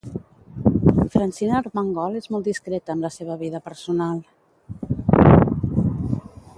Francina Armengol és molt discreta amb la seva vida personal.